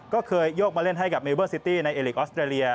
ก็เคยยกมาเล่นให้กับเมลเบอร์ซิตี้ในเอลิกออสเตรเลีย